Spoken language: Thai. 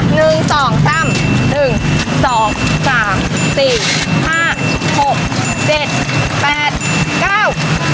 ก็ได้๑๐ตัวค่ะ